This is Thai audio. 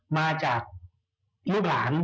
มาจากลูกหลาน